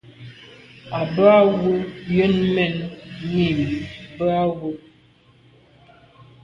À bə α̂ wə Yə̂n mɛ̀n nî bə α̂ wə.